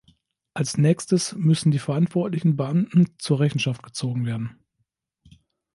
Als nächstes müssen die verantwortlichen Beamten zur Rechenschaft gezogen werden.